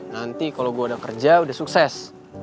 nanti kalau gue udah kerja udah sukses